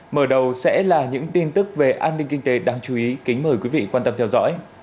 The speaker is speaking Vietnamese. mở đầu sẽ là những tin tức về an ninh kinh tế đáng chú ý kính mời quý vị quan tâm theo dõi